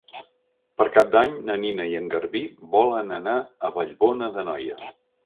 Per Cap d'Any na Nina i en Garbí volen anar a Vallbona d'Anoia.